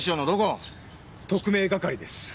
特命係です。